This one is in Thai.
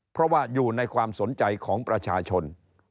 เพราะว่าอยู่ในความสนใจของประชาชน